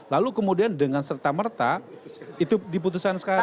lalu kemudian dengan serta merta itu diputuskan sekarang